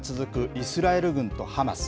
イスラエル軍とハマス。